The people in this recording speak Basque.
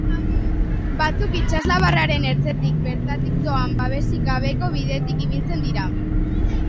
Batzuk itsaslabarraren ertzetik bertatik doan babesik gabeko bidetik ibiltzen dira.